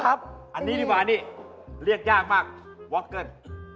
อันนี้ดิบ่ะเรียกยากมากวอคเกิล